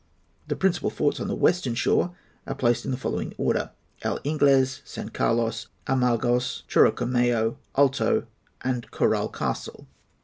The principal forts on the western shore are placed in the following order:—El Ingles, San Carlos, Amargos, Chorocomayo, Alto, and Corral Castle.